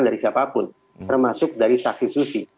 dari siapapun termasuk dari saksi susi